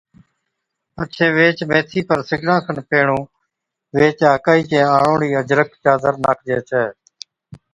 پڇي ويهچ ميٿِي پر سِگڙان کن پيھڻُون ويھچ آڪھِي چَي آڻوڙَي اجرڪ، چادر ناکجَي ڇَي